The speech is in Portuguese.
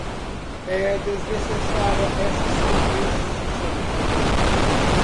É desnecessária essa sua precisão.